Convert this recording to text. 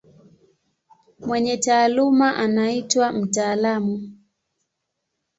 Mwenye taaluma anaitwa mtaalamu.